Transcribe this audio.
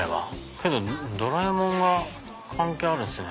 けどドラえもんが関係あるんですね？